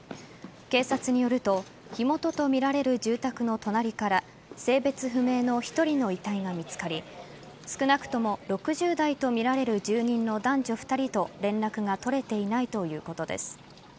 警察によると火元とみられる住宅の隣から性別不明の１人の遺体が見つかり少なくとも６０代とみられる住人の男女２人と連絡が取れていないということです。